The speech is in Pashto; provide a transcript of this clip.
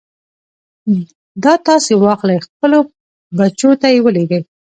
دا تاسې واخلئ خپلو بچو ته يې ولېږئ.